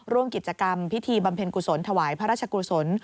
ร่วมกิจกรรมพิธีบำเพ็ญกุศลถวายพระราชกุศล